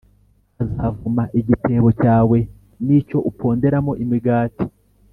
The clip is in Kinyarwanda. Azavuma igitebo cyawe n’icyo uponderamo imigati. “